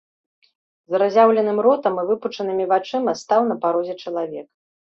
З разяўленым ротам і выпучанымі вачыма стаў на парозе чалавек.